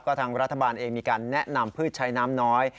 ทางรัฐบาลเองมีการแนะนำพืชใช้น้ำน้อย